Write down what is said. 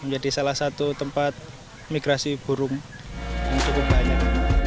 jadi salah satu tempat migrasi burung yang cukup banyak